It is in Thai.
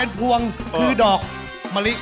เป็นพวงคือดอกมะลิ